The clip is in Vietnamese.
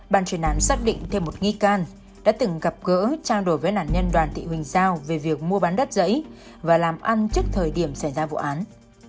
bàn chuyên án xác định thêm một nghi can đã từng gặp gỡ trang đổi với nạn nhân đoàn tị huynh giao về việc mua bán đất giấy và làm ăn trước thời điểm xảy ra vụ án